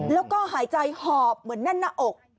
แล้วก็หายใจหอบเหมือนแน่นหน้าอก